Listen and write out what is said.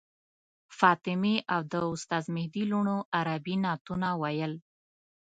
فاطمې او د استاد مهدي لوڼو عربي نعتونه ویل.